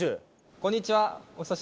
こんにちは。